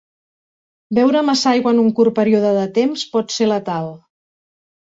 Beure massa aigua en un curt període de temps pot ser letal.